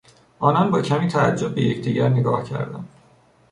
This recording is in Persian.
آنان با کمی تعجب به یکدیگر نگاه کردند.